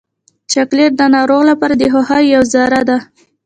چاکلېټ د ناروغ لپاره د خوښۍ یوه ذره ده.